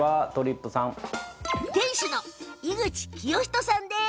店主の井口聖人さんです。